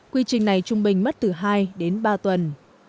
quy trình này trung bình mất từ hai đến ba tuần